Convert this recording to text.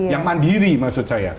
yang mandiri maksud saya